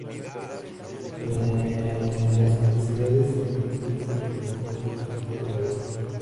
Mide las capacidades y competencias de los trabajadores en su entorno laboral.